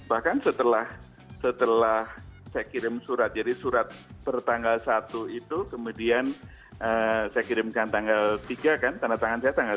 bahkan setelah saya kirim surat jadi surat pertanggal satu itu kemudian saya kirimkan tanggal tiga kan tanda tangan saya tanggal satu